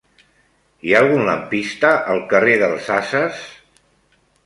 Hi ha algun lampista al carrer dels Ases?